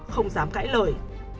không dám cãi lời